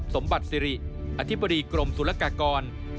สมบัติสิริอธิบดีกรมศุลกากร